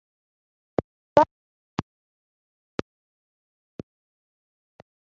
Kohereza intwaro mu mahanga ntibyari byemewe.